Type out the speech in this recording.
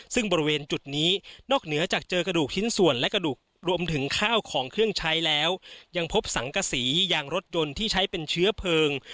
ซึ่งบริเวณจุดนี้นอกเหนือจากเจอกระดูกชิ้นส่วนและกระดูกรวมถึงข้าวของเครื่องใช้แล้วยังพบสังกษียางรถยนต์ที่ใช้เป็นเชื้อเพลิง